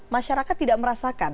masyarakat tidak merasakan